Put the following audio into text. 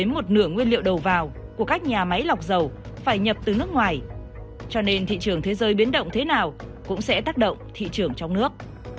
máy lọc dầu phải nhập từ nước ngoài cho nên thị trường thế giới biến động thế nào cũng sẽ tác động thị trường trong nước